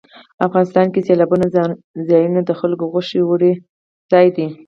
افغانستان کې سیلاني ځایونه د خلکو خوښې وړ ځای دی.